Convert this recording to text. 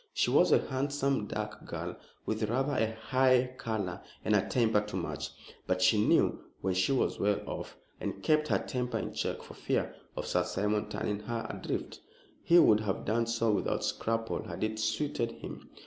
She was a handsome, dark girl, with rather a high color and a temper to match. But she knew when she was well off and kept her temper in check for fear of Sir Simon turning her adrift. He would have done so without scruple had it suited him.